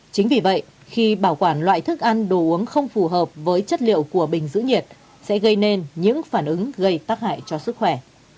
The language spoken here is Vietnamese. chính vì vậy khi bảo quản loại thức ăn đồ uống không phù hợp với chất liệu của bình giữ nhiệt sẽ gây nên những phản ứng gây tác hại cho sức khỏe